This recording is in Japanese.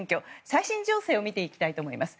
最新情勢を見ていきたいと思います。